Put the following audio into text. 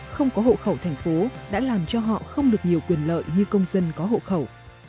không có hộ khẩu thành phố đã làm cho họ không được nhiều quyền lợi như công dân có hộ khẩu